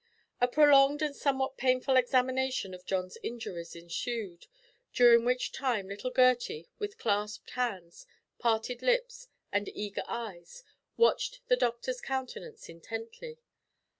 A prolonged and somewhat painful examination of John's injuries ensued, during which time little Gertie, with clasped hands, parted lips, and eager eyes, watched the doctor's countenance intently.